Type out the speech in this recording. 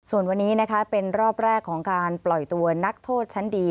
ส่วนวันนี้นะคะเป็นรอบแรกของการปล่อยตัวนักโทษชั้นดี